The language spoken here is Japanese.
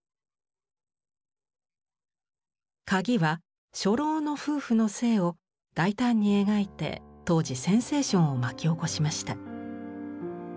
「鍵」は初老の夫婦の性を大胆に描いて当時センセーションを巻き起こしました。